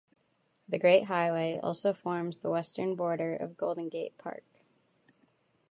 The Great Highway also forms the western border of Golden Gate Park.